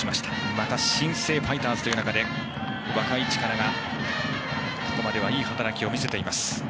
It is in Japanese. また新生ファイターズという中で若い力がここまで、いい働きを見せています。